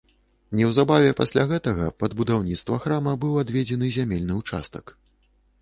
Неўзабаве пасля гэтага пад будаўніцтва храма быў адведзены зямельны ўчастак.